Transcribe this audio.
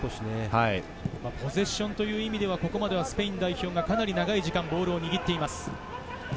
ポゼッションという意味ではスペイン代表がかなり長い時間ボールを握っています。